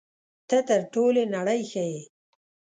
ته تر ټولې نړۍ ښه یې.